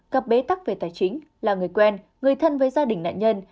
cặp bế tắc về tài chính là người quen người thân với gia đình nạn nhân